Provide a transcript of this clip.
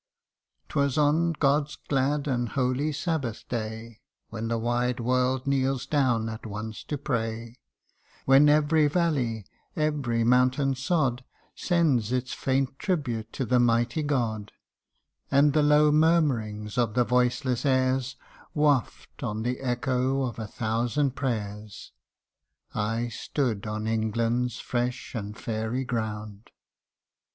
19 " Twas on God's glad and holy sabbath day, When the wide world kneels down at once to pray, When every valley, every mountain sod, Sends its faint tribute to the mighty God, And the low murmurings of the voiceless airs Waft on the echo of a thousand prayers I stood on England's fresh and fairy ground.